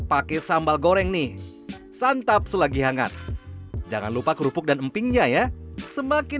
pakai sambal goreng nih santap selagi hangat jangan lupa kerupuk dan empingnya ya semakin